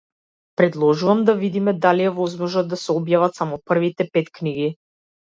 Предложувам да видиме дали е возможно да се објават само првите пет книги.